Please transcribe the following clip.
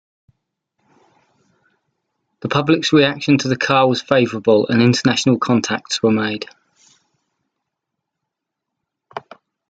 The public's reaction to the car was favorable and international contacts were made.